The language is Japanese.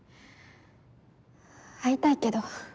会いたいけど。